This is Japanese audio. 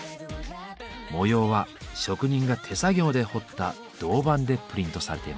模様は職人が手作業で彫った銅版でプリントされています。